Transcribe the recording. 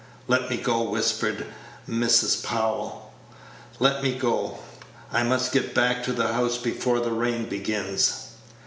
"Let me go," whispered Mrs. Powell, "let me go; I must get back to the house before the rain begins."